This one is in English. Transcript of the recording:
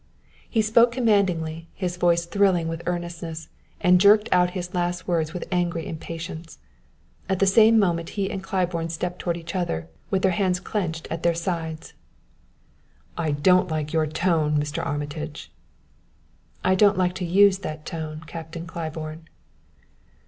He spoke commandingly, his voice thrilling with earnestness, and jerked out his last words with angry impatience. At the same moment he and Claiborne stepped toward each other, with their hands clenched at their sides. "I don't like your tone, Mr. Armitage!" "I don't like to use that tone, Captain Claiborne."